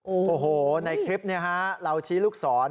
โอ้โหในคลิปนี้ฮะเราชี้ลูกศร